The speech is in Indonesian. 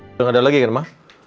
udah gak ada lagi kan ma